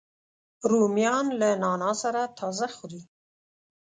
رومیان له نعناع سره تازه خوري